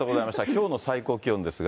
きょうの最高気温ですが。